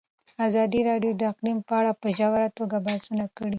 ازادي راډیو د اقلیم په اړه په ژوره توګه بحثونه کړي.